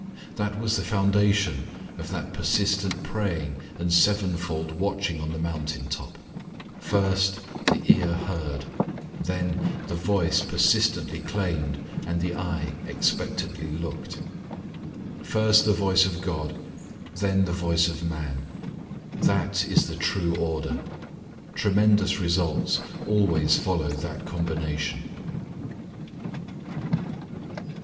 That was the foundation of that persistent praying and sevenfold watching on the mountaintop. First the ear heard, then the voice persistently claimed, and the eye expectantly looked. First the voice of God, then the voice of man. That is the true order. Tremendous results always follow that combination.